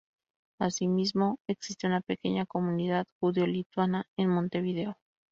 Asimismo, existe una pequeña comunidad judeo-lituana en Montevideo.